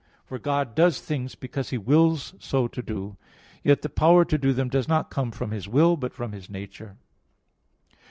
For God does things because He wills so to do; yet the power to do them does not come from His will, but from His nature.